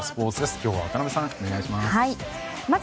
今日は渡辺さん、お願いします。